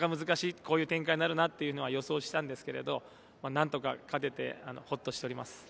こういう展開になるというのは予想したんですけれど、何とか勝ててホッとしております。